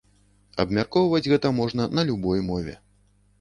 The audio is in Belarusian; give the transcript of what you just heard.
Абмяркоўваць гэта можна на любой мове.